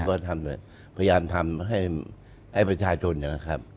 ครับก็ทำเลยพยายามทำให้ประชาชนนะครับ